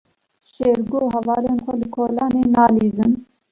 Şêrgo û hevalên xwe li kolanê nalîzin.